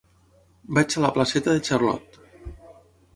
Vaig a la placeta de Charlot.